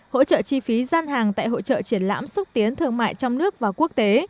hỗ trợ chi phí gian hàng tại hội trợ triển lãm xúc tiến thương mại trong nước và quốc tế